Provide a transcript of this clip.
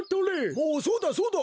おおそうだそうだ。